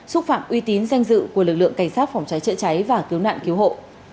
xúc phạm uy tín danh dự của lực lượng cảnh sát phòng cháy chữa cháy và cứu nạn cứu hộ